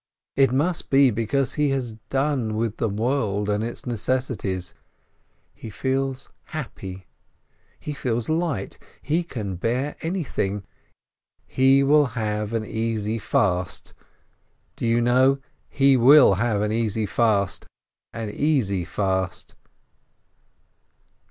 It must be because he has done with the world and its necessities — he feels happy — he feels light — he can bear anything — he will have an easy fast — do you know, he will have an easy fast, an easy fast